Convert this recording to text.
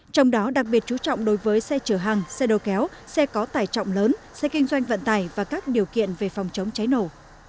trong đó đặc biệt chú trọng đối với xe chở hàng xe đồ kéo xe có tải trọng lớn xe kinh doanh vận tải và các điều kiện về phòng chống cháy nổ